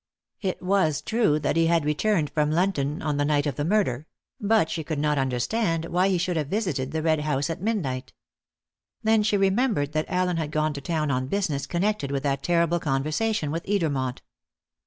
It was true that he had returned from London on the night of the murder; but she could not understand why he should have visited the Red House at midnight. Then she remembered that Allen had gone to town on business connected with that terrible conversation with Edermont.